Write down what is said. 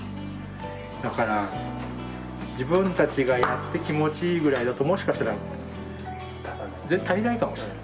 だから自分たちがやって気持ちいいぐらいだともしかしたら足りないかもしれない。